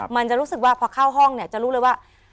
มันจะรู้สึกว่าพอเข้าห้องเนี่ยจะรู้เลยว่า